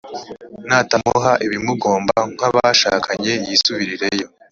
natamuha ibimugomba nk’abashakanye yisubirireyo